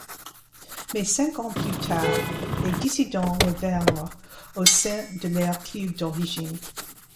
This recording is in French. Mais cinq ans plus tard, les dissidents revinrent au sein de leur club d’origine.